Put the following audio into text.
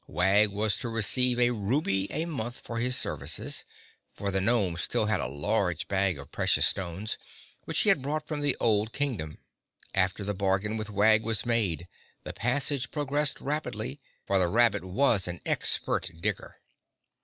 Wag was to receive a ruby a month for his services, for the gnome still had a large bag of precious stones, which he had brought from the old Kingdom. After the bargain with Wag was made, the passage progressed rapidly, for the rabbit was an expert digger.